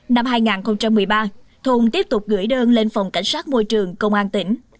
năm hai nghìn một mươi ba thùng tiếp tục gửi đơn lên phòng cảnh sát môi trường công an tỉnh